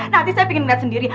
nanti saya pingin liat sendiri